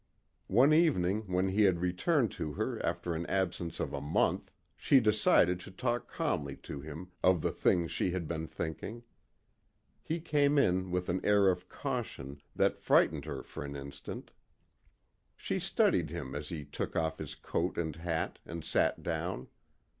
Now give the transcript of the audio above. One evening when he had returned to her after an absence of a month she decided to talk calmly to him of the things she had been thinking. He came in with an air of caution, that frightened her for an instant. She studied him as he took off his coat and hat and sat down.